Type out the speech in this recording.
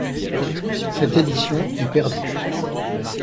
Cette édition est perdue.